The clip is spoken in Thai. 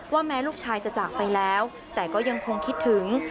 แม้ลูกชายจะจากไปแล้วแต่ก็ยังคงคิดถึง